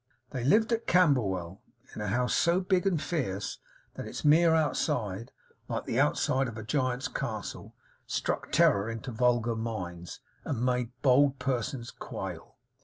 They lived at Camberwell; in a house so big and fierce, that its mere outside, like the outside of a giant's castle, struck terror into vulgar minds and made bold persons quail.